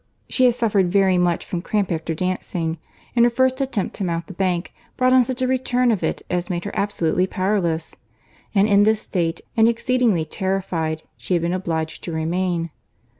She had suffered very much from cramp after dancing, and her first attempt to mount the bank brought on such a return of it as made her absolutely powerless—and in this state, and exceedingly terrified, she had been obliged to remain.